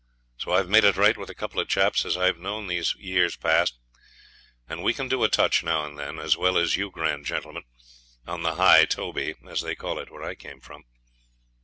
So I've made it right with a couple of chaps as I've know'd these years past, and we can do a touch now and then, as well as you grand gentlemen, on the "high toby", as they call it where I came from.'